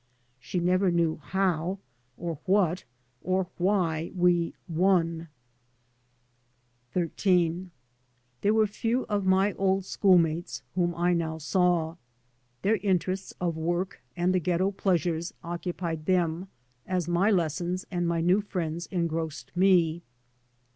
She never knew how, or what, or why, we " won." 3 by Google XIII THERE were few of my old schoolmates whom I now saw. Their interests of work and the ghetto pleasures occupied them as my lessons and my new friends engrossed me.